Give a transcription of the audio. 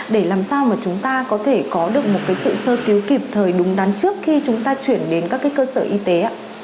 để làm sao mà chúng ta có thể có được một sự sơ cứu kịp thời đúng đắn trước khi chúng ta chuyển đến các cơ sở y tế ạ